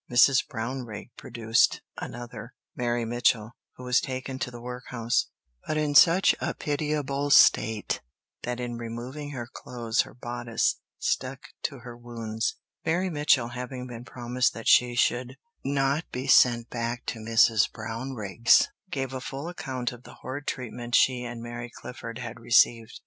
Mrs. Brownrigg produced another, Mary Mitchell, who was taken to the workhouse, but in such a pitiable state that in removing her clothes her bodice stuck to her wounds. Mary Mitchell having been promised that she should not be sent back to Brownrigg's, gave a full account of the horrid treatment she and Mary Clifford had received.